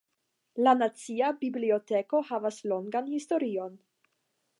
La Nacia Biblioteko havas longan historion.